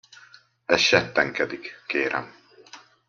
Ez settenkedik, kérem!